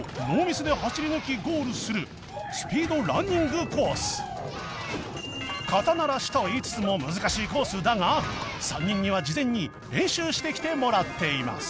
このコースは肩慣らしとは言いつつも難しいコースだが３人には事前に練習してきてもらっています